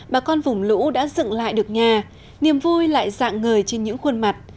bà con vùng lũ đã dựng lại được nhà niềm vui lại dạng ngời trên những khuôn mặt